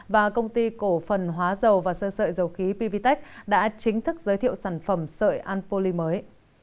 và công ty cổ phần hóa dầu và sơ sợi dầu khí pvtec đã chính thức giới thiệu sản phẩm sợi anpoly mới